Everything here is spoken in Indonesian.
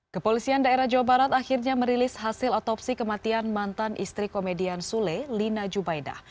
kepolisian daerah jawa barat akhirnya merilis hasil otopsi kematian mantan istri komedian sule lina jubaidah